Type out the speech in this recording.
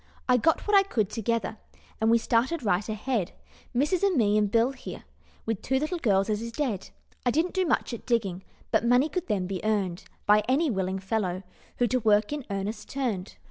"I got what I could together, And we started right ahead; Missus and me and Bill here, With two little gals as is dead. I didn't do much at digging, But money could then be earned By any willing fellow Who to work in earnest turned.